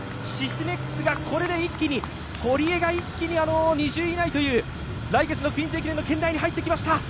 シスメックスがこれで一気に、堀江が２０位以内という、来月の「クイーンズ駅伝」の圏内に入っていきました。